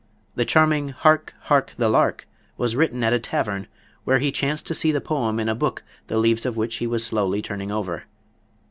The charming "Hark, Hark, the Lark" was written at a tavern where he chanced to see the poem in a book the leaves of which he was slowly turning over.